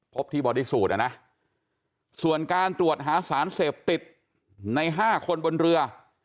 ที่บอดี้สูตรนะส่วนการตรวจหาสารเสพติดใน๕คนบนเรือ